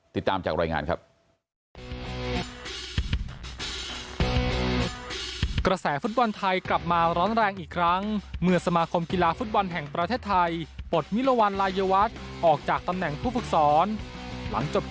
ติดตามจากรายงานครับ